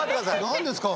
何ですか？